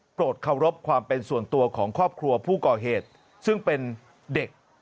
เคารพความเป็นส่วนตัวของครอบครัวผู้ก่อเหตุซึ่งเป็นเด็ก